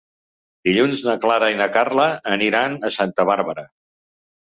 Dilluns na Clara i na Carla aniran a Santa Bàrbara.